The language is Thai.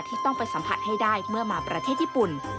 ต้องไปสัมผัสให้ได้เมื่อมาประเทศญี่ปุ่น